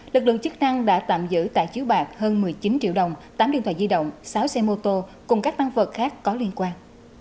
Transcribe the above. lực lượng chức năng đã tạm giữ tại chiếu bạc hơn một mươi chín triệu đồng tám điện thoại di động sáu xe mô tô cùng các băng vật khác có liên quan